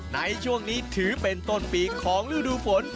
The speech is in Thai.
ในช่วงนี้ถือเป็นต้นปีของฤดูฝน